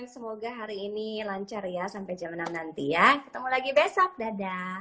semoga hari ini lancar ya sampai jam enam nanti ya ketemu lagi besok dadah